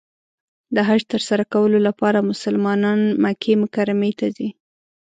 د حج تر سره کولو لپاره مسلمانان مکې مکرمې ته ځي .